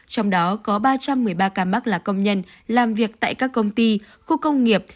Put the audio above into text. trong đó có ba trăm một mươi ba ca mắc là công nhân làm việc tại các công ty khu công nghiệp